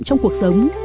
trong cuộc sống